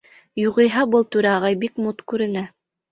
Юғиһә был түрә ағай бик мут күренә.